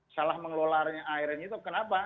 salah mengelolanya airnya itu kenapa